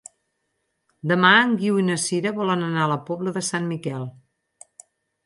Demà en Guiu i na Sira volen anar a la Pobla de Sant Miquel.